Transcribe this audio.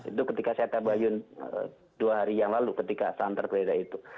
itu ketika saya terbayun dua hari yang lalu ketika santar beredar itu